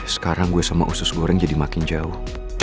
sekarang gue sama usus goreng jadi makin jauh